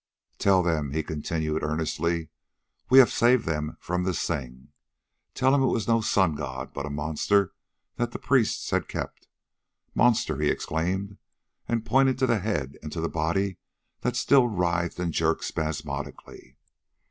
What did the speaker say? "Tell them," he continued earnestly, "we have saved them from this thing. Tell them it was no sun god, but a monster that the priests had kept. Monster!" he exclaimed, and pointed to the head and to the body that still writhed and jerked spasmodically.